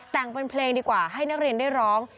แต่งเป็นเพลงดีกว่าให้นักเรียนได้ร้อง